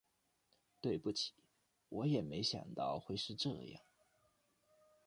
对不起，我也没想到会是这样